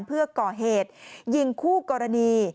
เพื่อก่อเหตุยิงคู่กรณี